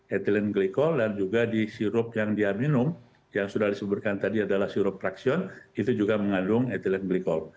ethylene glycol dan juga di sirup yang dia minum yang sudah disebutkan tadi adalah sirup fraksion itu juga mengandung ethylene glycol